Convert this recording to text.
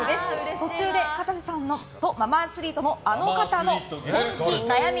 途中でかたせさんとあのままアスリートのあの方の本気悩み